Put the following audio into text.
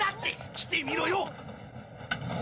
来てみろよ。